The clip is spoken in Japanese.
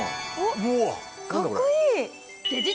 おっかっこいい！